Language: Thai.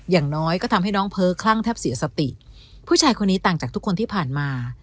อย่างน้อยก็ทำให้น้องเพ้อคลั่งแทบเสียสติผู้ชายคนนี้ต่างจากทุกคนที่ผ่านมา